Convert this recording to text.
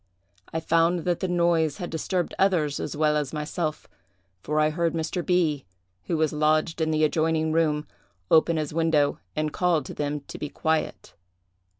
I found that the noise had disturbed others as well as myself, for I heard Mr. B——, who was lodged in the adjoining room, open his window and call to them to be quiet.